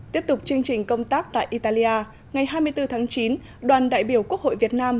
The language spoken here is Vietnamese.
tiếp tục chương trình công tác tại italia ngày hai mươi bốn tháng chín đoàn đại biểu quốc hội việt nam